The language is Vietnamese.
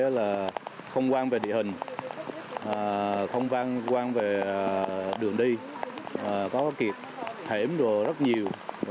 thứ hai là không quan về địa hình không quan về đường đi có kiệp hẻm đồ rất nhiều